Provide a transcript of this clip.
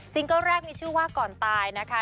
เกิ้ลแรกมีชื่อว่าก่อนตายนะคะ